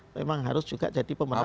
memang harus juga jadi pemerintah